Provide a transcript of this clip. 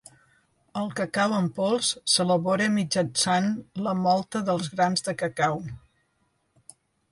El cacau en pols s'elabora mitjançant la mòlta dels grans de cacau.